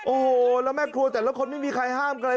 โอ้โหแล้วแม่ครัวแต่ละคนไม่มีใครห้ามกันเลย